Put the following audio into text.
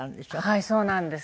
はいそうなんです。